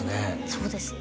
そうですね